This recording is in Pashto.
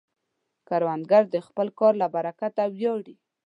کروندګر د خپل کار له برکته ویاړي